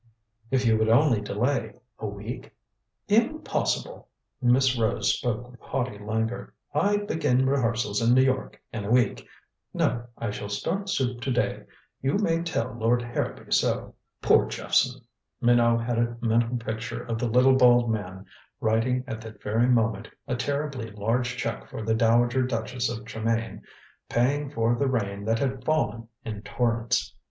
"If you would only delay a week " "Impossible." Miss Rose spoke with haughty languor. "I begin rehearsals in New York in a week. No, I shall start suit to day. You may tell Lord Harrowby so." Poor Jephson! Minot had a mental picture of the little bald man writing at that very moment a terribly large check for the Dowager Duchess of Tremayne paying for the rain that had fallen in torrents.